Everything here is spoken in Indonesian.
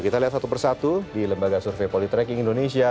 kita lihat satu persatu di lembaga survei polytreking indonesia